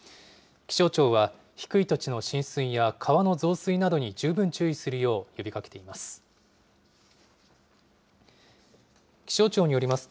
気象庁は低い土地の浸水や川の増水などに十分注意するよう、呼びかけています。